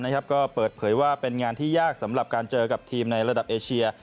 ก็เปิดเผยว่าเป็นงานที่ยากสำหรับการเจอกับทีมในระดับเอเชีย